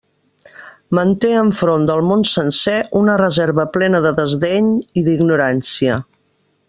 Manté enfront del món sencer una reserva plena de desdeny i d'ignorància.